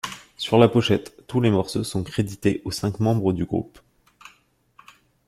Sur la pochette, tous les morceaux sont crédités aux cinq membres du groupe.